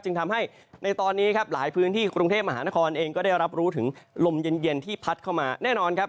ทำให้ในตอนนี้ครับหลายพื้นที่กรุงเทพมหานครเองก็ได้รับรู้ถึงลมเย็นที่พัดเข้ามาแน่นอนครับ